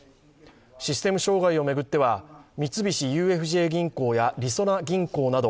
システム障害を巡っては、三菱ＵＦＪ銀行やりそな銀行など、